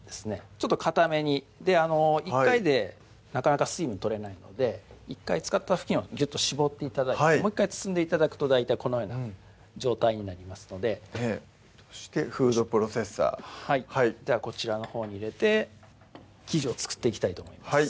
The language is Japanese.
ちょっとかために１回でなかなか水分取れないので１回使った布巾をギュッと絞って頂いてもう１回包んで頂くと大体このような状態になりますのでそしてフードプロセッサーはいではこちらのほうに入れて生地を作っていきたいと思います